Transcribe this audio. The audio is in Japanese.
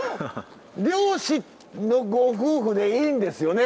漁師のご夫婦でいいんですよね？